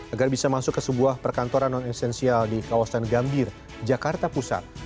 agar bisa masuk ke sebuah perkantoran non esensial di kawasan gambir jakarta pusat